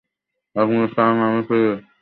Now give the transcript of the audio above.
আপনি চান আমি ফিরি।